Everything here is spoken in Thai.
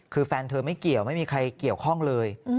คือแฟนเธอไม่เกี่ยวไม่มีใครเกี่ยวข้องเลย